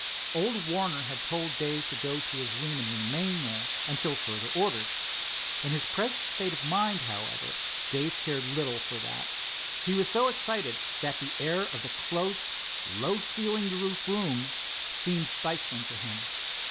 Old Warner had told Dave to go to his room and remain there until further orders. In his present state of mind, however, Dave cared little for that. He was so excited that the air of the close low ceilinged roof room seemed stifling to him.